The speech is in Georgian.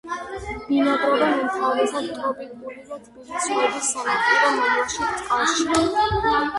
ბინადრობენ უმთავრესად ტროპიკული და თბილი ზღვების სანაპირო მომლაშო წყალში.